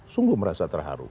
sungguh merasa terharu